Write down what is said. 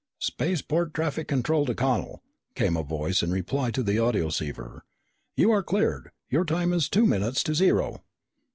"Spaceport traffic control to Connel," came a voice in reply over the audioceiver. "You are cleared. Your time is two minutes to zero!"